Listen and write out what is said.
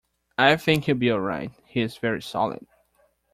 I think he’ll be all right. He’s very solid.